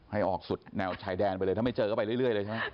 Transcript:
ให้ออกสุดแนวชายแดนไปเลยถ้าไม่เจอก็ไปเรื่อยเลยใช่ไหม